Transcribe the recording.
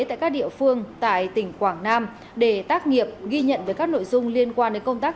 tại các địa phương tại tỉnh quảng nam để tác nghiệp ghi nhận về các nội dung liên quan đến công tác